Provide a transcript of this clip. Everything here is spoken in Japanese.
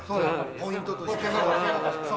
ポイントとして。